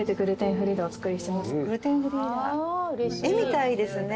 絵みたいですね。